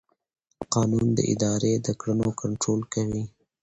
قانون د ادارې د کړنو کنټرول کوي.